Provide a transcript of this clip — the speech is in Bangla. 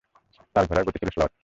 তার ঘোড়ার গতি ছিল শ্লথ।